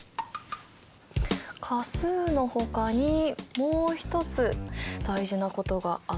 価数のほかにもう一つ大事なことがあったよな。